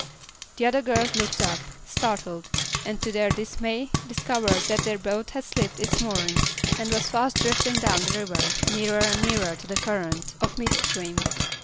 The other girls looked up, startled, and to their dismay discovered that their boat had slipped its moorings and was fast drifting down the river, nearer and nearer to the current of midstream.